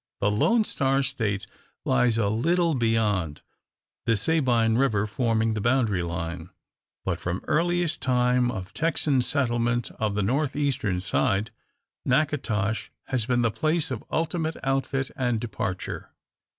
The "Lone Star State" lies a little beyond the Sabine River forming the boundary line. But from earliest time of Texan settlement on the north eastern side, Natchitoches has been the place of ultimate outfit and departure.